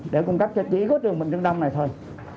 để cung cấp cho chỉ có trường bình dương đông này thôi